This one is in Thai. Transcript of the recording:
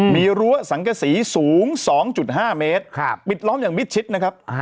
มีรั้วสังกษีสูง๒๕เมตรปิดล้อมอย่างมิดชิดนะครับ